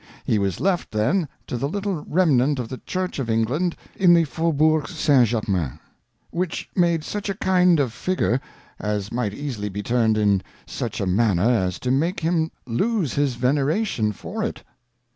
He was left then to the little Remnant of the Church of England in the Fauxbourg St. Germain ; which made such a kind of figure, as might easily be turn'd in such a manner as to make him lose his veneration for it.